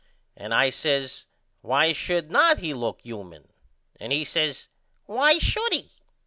And I says Why should not he look human. And he says Why should he.